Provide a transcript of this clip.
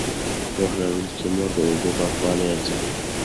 پوهه لرونکې مور د اوبو پاکوالی ارزوي.